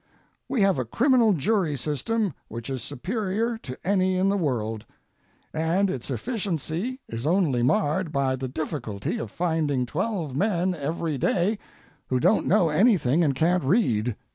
We have a criminal jury system which is superior to any in the world; and its efficiency is only marred by the difficulty of finding twelve men every day who don't know anything and can't read.